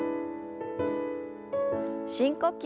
深呼吸。